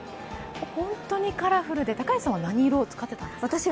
本当にカラフルで高安さんは何色を使っていました？